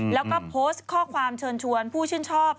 แล้วก็โพสต์ข้อความเชิญชวนผู้ชื่นชอบ